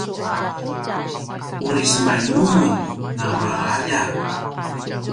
uri semainu mun a maraljak?